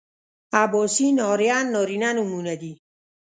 اباسین ارین نارینه نومونه دي